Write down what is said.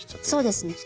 そうですね。